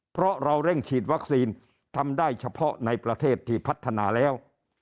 เพราะเราเร่งฉีดวัคซีนทำได้เฉพาะในประเทศที่พัฒนาแล้ว